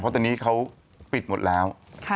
เพราะตอนนี้เขาปิดหมดแล้ว